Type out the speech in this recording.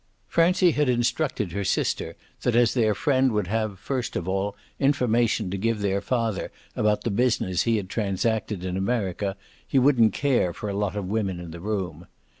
Francie had instructed her sister that as their friend would have, first of all, information to give their father about the business he had transacted in America he wouldn't care for a lot of women in the room.